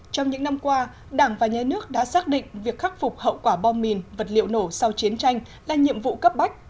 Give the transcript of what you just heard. trong những năm qua đảng và nhà nước đã xác định việc khắc phục hậu quả bom mìn vật liệu nổ sau chiến tranh là nhiệm vụ cấp bách